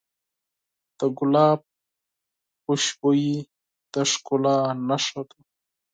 د ګلاب خوشبويي د ښکلا نښه ده.